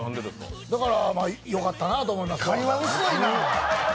だから、よかったなぁと思います。